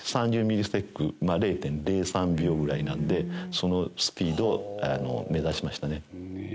ミリステック、０．０３秒ぐらいなんで、そのスピードを目指しましたね。